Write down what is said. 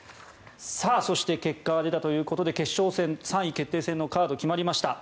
そして、結果が出たということで決勝戦と３位決定戦のカードが決まりました。